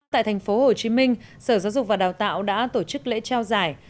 tại thành phố hồ chí minh sở giáo dục và đào tạo đã tổ chức lễ trao giải